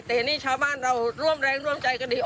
แต่เห็นนี่ชาวบ้านเราร่วมแรงร่วมใจกันดี